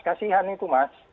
kasihan itu mas